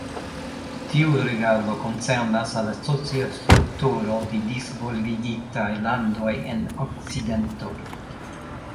Tiu rigardo koncernas al la socia strukturo de disvolvigitaj landoj en Okcidento.